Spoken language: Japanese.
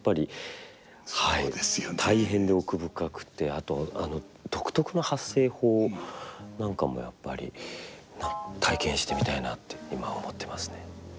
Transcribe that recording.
あとあの独特の発声法なんかもやっぱり体験してみたいなって今は思ってますね。